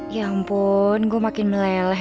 ya ampun gue makin meleleh